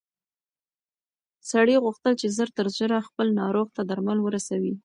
سړي غوښتل چې ژر تر ژره خپل ناروغ ته درمل ورسوي.